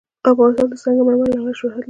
افغانستان د سنگ مرمر له امله شهرت لري.